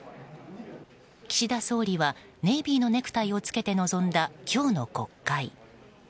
岸田総理はネイビーのネクタイを着けて臨んだ今日の国会。